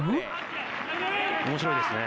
面白いですね。